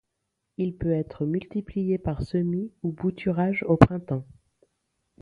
Il peut être multiplié par semis ou bouturage au printemps.